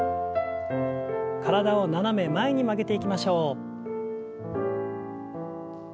体を斜め前に曲げていきましょう。